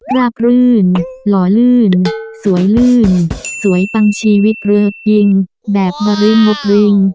ราบรื่นหล่อรื่นสวยรื่นสวยปังชีวิตเริกจริงแบบบริมบริง